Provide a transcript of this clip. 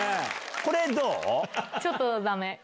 これどう？